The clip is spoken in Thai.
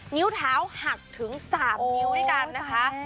นิ้วเท้าหักถึง๓นิ้วด้วยกันนะคะ